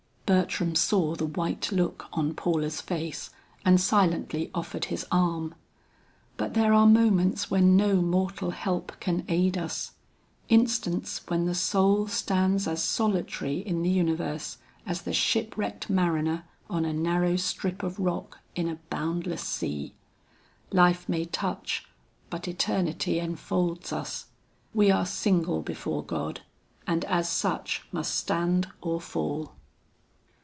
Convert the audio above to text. Bertram saw the white look on Paula's face and silently offered his arm. But there are moments when no mortal help can aid us; instants when the soul stands as solitary in the universe, as the ship wrecked mariner on a narrow strip of rock in a boundless sea. Life may touch, but eternity enfolds us; we are single before God and as such must stand or fall.